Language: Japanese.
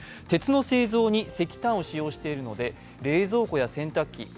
鉄の製造に石炭を使用しているので冷蔵庫や洗濯機